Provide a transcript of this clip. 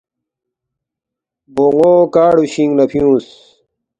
بون٘و کاڑُوشِنگ لہ فیُونگس